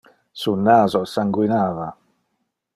Su naso sanguinava.